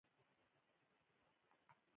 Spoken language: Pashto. کتاب ولوله